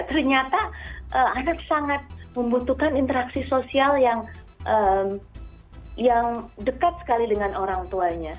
ternyata anak sangat membutuhkan interaksi sosial yang dekat sekali dengan orang tuanya